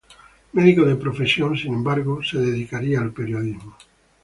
Medico de profesión, sin embargo, se dedicaría al periodismo.